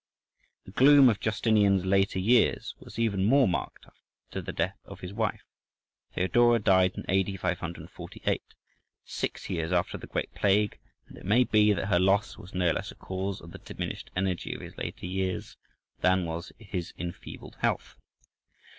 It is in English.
The gloom of Justinian's later years was even more marked after the death of his wife; Theodora died in A.D. 548, six years after the great plague, and it may be that her loss was no less a cause of the diminished energy of his later years than was his enfeebled health.